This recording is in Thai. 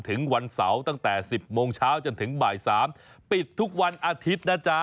วันเสาร์ตั้งแต่๑๐โมงเช้าจนถึงบ่าย๓ปิดทุกวันอาทิตย์นะจ๊ะ